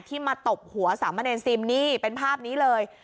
มาตบหัวสามเณรซิมนี่เป็นภาพนี้เลย